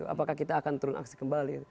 apakah kita akan turun aksi kembali